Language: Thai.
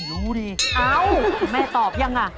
รู้ดิอ้าวแม่ตอบยังล่ะ